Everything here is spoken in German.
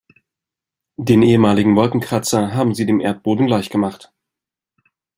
Den ehemaligen Wolkenkratzer haben sie dem Erdboden gleichgemacht.